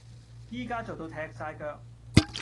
依家做到踢曬腳